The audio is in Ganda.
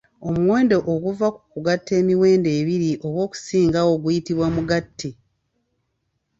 Omuwendo oguva mu kugatta emiwendo ebiri oba okusingawo guyitibwa mugatte